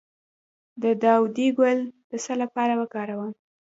د داودي ګل د څه لپاره وکاروم؟